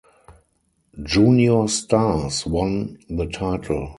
Junior Stars won the title.